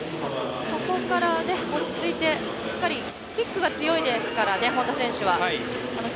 ここから落ち着いてしっかり、キックが強いですから本多選手は。